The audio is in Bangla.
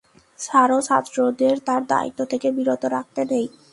ছাড়ো, ছাত্রদের তার দায়িত্ব থেকে বিরত রাখতে নেই।